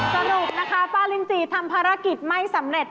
สรุปนะคะป้าลินจีทำภารกิจไม่สำเร็จ